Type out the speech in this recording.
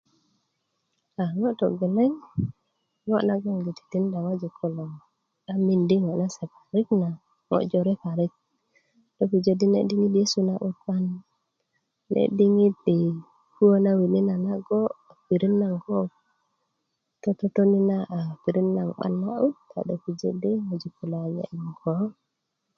ŋo togeleŋ ŋo nagon tinda ŋwajik kulo a mindi ŋo nase parik na ŋo jore patik do pujö di nene diŋit nyesu na'but 'ban ne diŋit puö na wini na nago pirit naŋ ko totoni na a pirit naŋ 'ba na'but a do puji di ŋwajik kilo kanye mukö